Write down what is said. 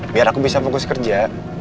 biar aku bisa fokus kerja